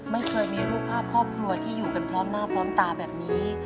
ไม่เคยมีรูปภาพครอบครัวที่อยู่กันพร้อมหน้าพร้อมตาแบบนี้